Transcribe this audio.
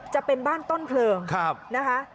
จะเป็นบ้านต้นเพลิงนะคะ